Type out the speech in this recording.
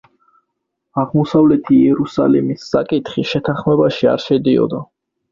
აღმოსავლეთი იერუსალიმის საკითხი შეთანხმებაში არ შედიოდა.